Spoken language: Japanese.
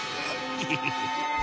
エヘヘヘヘ。